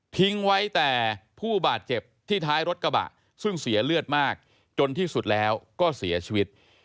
ไว้แต่ผู้บาดเจ็บที่ท้ายรถกระบะซึ่งเสียเลือดมากจนที่สุดแล้วก็เสียชีวิต